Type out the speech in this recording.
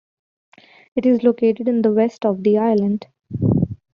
It is located in the west of the island.